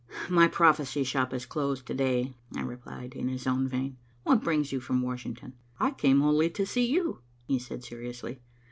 "My prophecy shop is closed to day," I replied, in his own vein. "What brings you from Washington?" "I came wholly to see you," he said seriously.